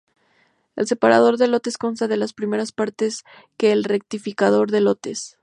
El separador de lotes consta de las mismas partes que el rectificador de lotes.